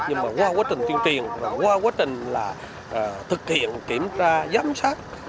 nhưng mà qua quá trình tuyên truyền và qua quá trình là thực hiện kiểm tra giám sát